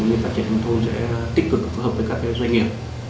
nên phát triển hình thôn sẽ tích cực phù hợp với các doanh nghiệp